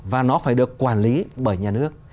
và nó phải được quản lý bởi nhà nước